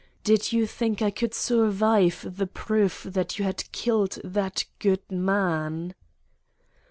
Did you think I could survive the proof that you had killed that good man?"